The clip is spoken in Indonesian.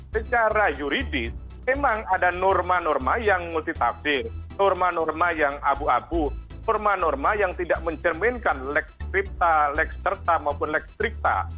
secara juridis memang ada norma norma yang multitafsir norma norma yang abu abu norma norma yang tidak mencerminkan lex scripta lex terta maupun lex stripta